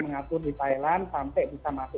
mengatur di thailand sampai bisa masuk